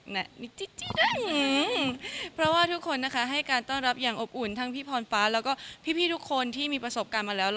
เพราะว่าทุกคนนะคะให้การต้อนรับอย่างอบอุ่นทั้งพี่พรฟ้าแล้วก็พี่ทุกคนที่มีประสบการณ์มาแล้ว